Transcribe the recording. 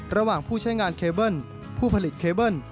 ระหว่างผู้ใช้งานเคเบิ้ลผู้ผลิตเคเบิ้ล